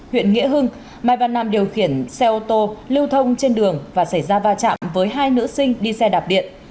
huyện nghĩa hưng mai văn nam điều khiển xe ô tô lưu thông trên đường và xảy ra va chạm với hai nữ sinh đi xe đạp điện